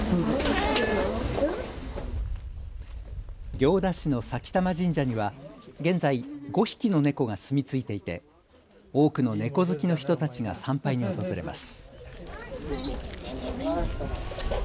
行田市の前玉神社には現在５匹の猫が住み着いていて多くの猫好きの人たちが参拝に訪れます。